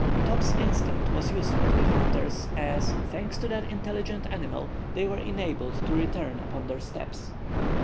Top's instinct was useful to the hunters, as, thanks to that intelligent animal, they were enabled to return upon their steps.